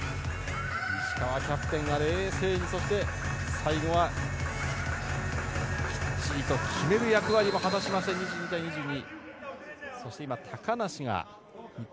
石川キャップが冷静にそして最後はきっちりと決める役割を果たしまして、２２対２２。